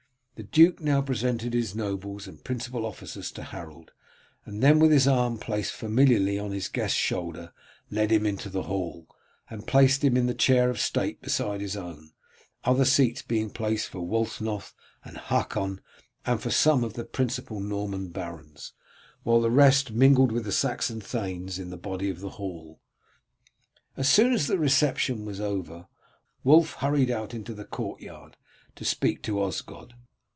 The duke now presented his nobles and principal officers to Harold, and then with his arm placed familiarly on his guest's shoulder led him into the hall, and placed him in the chair of state beside his own, other seats being placed for Wulfnoth and Hakon and for some of the principal Norman barons, while the rest mingled with the Saxon thanes in the body of the hall. As soon as the reception was over Wulf hurried out into the courtyard to speak to Osgod.